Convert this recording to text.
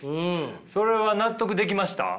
それは納得できました？